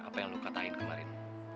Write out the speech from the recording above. apa yang lo katain kemarin